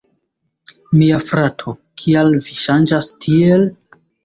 Mia frato, kial vi ŝanĝas tiel?